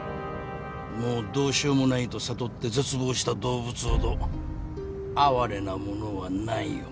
もうどうしようもないと悟って絶望した動物ほど哀れなものはないよ。